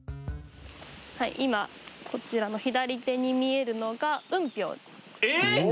はい今こちらの左手に見えるのがえっ？